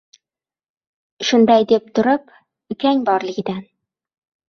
Shunday deb turib, “Ukang borligidan.